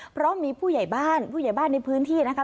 เพราะมีผู้ใหญ่บ้านผู้ใหญ่บ้านในพื้นที่นะคะ